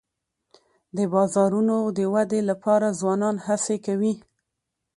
د بازارونو د ودي لپاره ځوانان هڅې کوي.